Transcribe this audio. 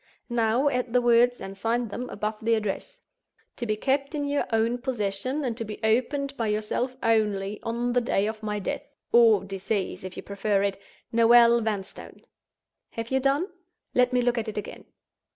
_ Now, add these words, and sign them, above the address: To be kept in your own possession, and to be opened by yourself only, on the day of my death—or 'Decease,' if you prefer it—Noel Vanstone. Have you done? Let me look at it again.